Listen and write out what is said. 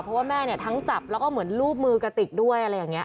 เพราะว่าแม่เนี่ยทั้งจับแล้วก็เหมือนรูปมือกระติกด้วยอะไรอย่างนี้